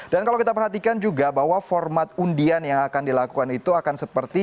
dan kalau kita perhatikan juga bahwa format undian yang akan dilakukan itu akan seperti